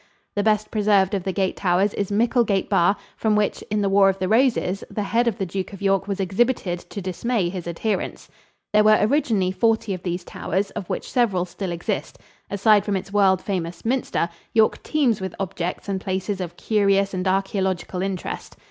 The best preserved of the gate towers is Micklegate Bar, from which, in the War of the Roses, the head of the Duke of York was exhibited to dismay his adherents. There were originally forty of these towers, of which several still exist. Aside from its world famous minster, York teems with objects and places of curious and archaeological interest.